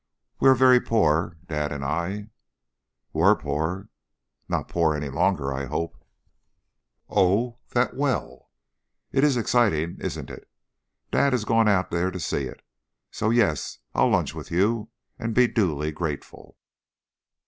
We're very poor, dad and I." "Were poor. Not poor any longer, I hope." "Oh, that well! It is exciting, isn't it? Dad has gone out there to see it, so Yes, I'll lunch with you and be duly grateful."